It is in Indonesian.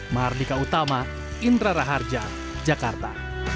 mahardika utama indra raharja jakarta